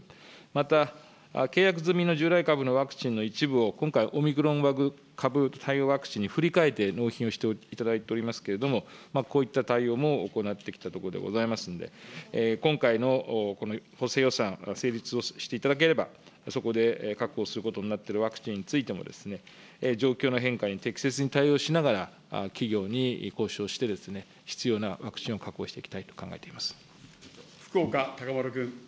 また、契約済みの従来株のワクチンの一部を今回、オミクロン株対応ワクチンに振り替えて納品をしていただいておりますけれども、こういった対応も行ってきたところでございますんで、今回のこの補正予算成立をしていただければ、そこで確保することになってるワクチンについても、状況の変化に適切に対応しながら、企業に交渉して必要なワクチンを確保していきたいと考えておりま福岡資麿君。